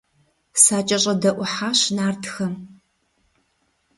СакӀэщӀэдэӀухьащ нартхэм.